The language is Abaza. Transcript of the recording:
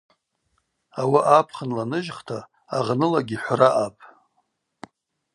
Ауаъа апхынла ныжьхта агънылагьи хӏвра аъапӏ.